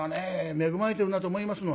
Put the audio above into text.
恵まれてるなと思いますのはね